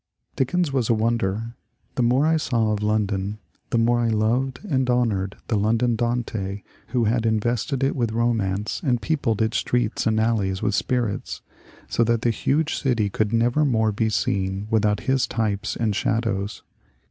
Dickens was a wonder. The more I saw of London the more I loved and honoured the London Dante who had in vested it with romance, and peopled its streets and alleys with spirits, so that the huge city could never more be seen without his types and shadows.